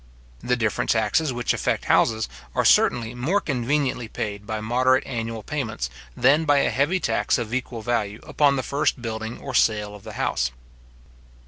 The different taxes which affect houses, are certainly more conveniently paid by moderate annual payments, than by a heavy tax of equal value upon the first building or sale of the house.